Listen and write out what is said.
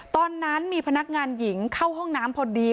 ตอนนั้นมีพนักงานหญิงเข้าห้องน้ำพอดี